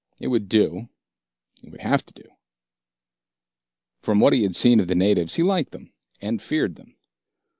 It would do, it would have to do. From what he had seen of the natives, he liked them and feared them.